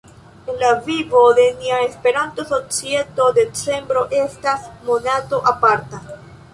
En la vivo de nia Esperanto-societo decembro estas monato aparta.